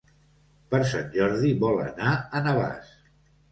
Per Sant Jordi vol anar a Navàs.